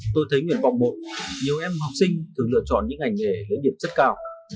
tôi thấy nguyên vọng một nhiều em học sinh thường lựa chọn những ngành nghề lễ điểm rất cao